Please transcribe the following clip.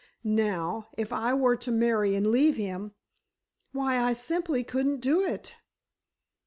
Now, if I were to marry and leave him—why, I simply couldn't do it!"